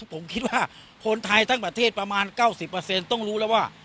ผมคิดว่าคนไทยทั้งประเทศประมาณ๙๐ต้องรู้แล้วว่า